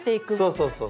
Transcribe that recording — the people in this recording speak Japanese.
そうそうそう。